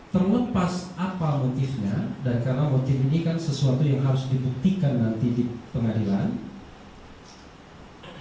terlepas apa motifnya dan karena motif ini kan sesuatu yang harus dibuktikan nanti di pengadilan